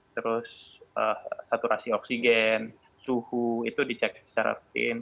terus saturasi oksigen suhu itu dicek secara rutin